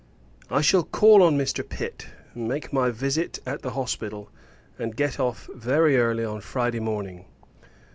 I shall call on Mr. Pitt, make my visit at the Hospital, and get off very early on Friday morning.